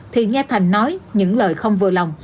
thì nghe thành nói những lời không vừa lòng